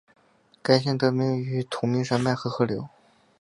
该县得名于同名山脉和河流。